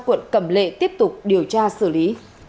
quận cẩm lệ tiếp tục điều tra xử lý